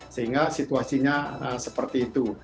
sehingga situasinya seperti itu